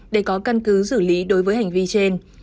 để có căn cứ xử lý đối với hành vi trên